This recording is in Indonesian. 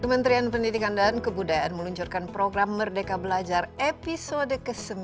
kementerian pendidikan dan kebudayaan meluncurkan program merdeka belajar episode ke sembilan